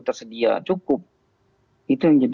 tersedia cukup itu yang